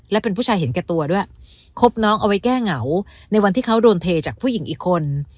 และเป็นผู้ชายเห็นแก่ตัวด้วยคบน้องเอาไว้แก้เหงาในวันที่เขาโดนเทจากผู้หญิงอีกคน